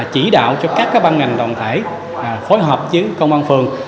chỉ đạo cho các bang ngành đồng thể phối hợp với công an phường